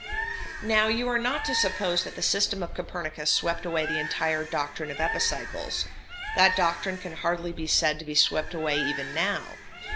] Now you are not to suppose that the system of Copernicus swept away the entire doctrine of epicycles; that doctrine can hardly be said to be swept away even now.